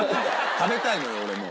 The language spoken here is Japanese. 食べたいのよ俺も。